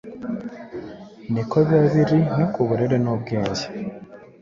ni ko biba biri no ku burere n’ubwenge